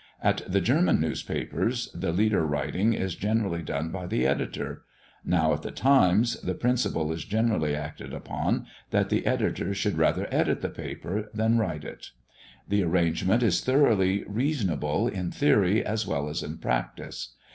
At the German newspapers, the leader writing is generally done by the editor; now at the Times, the principle is generally acted upon, that the editor should rather edit the paper, than write it. The arrangement is thoroughly reasonable in theory, as well as in practice.